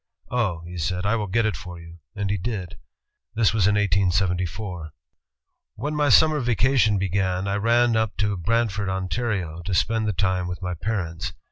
'Oh,' he said, 'I will get it for you,' and he did. This was in 1874, "When my summer vacation came, I ran up to Brant ford, Ontario, to spend the time with my parents.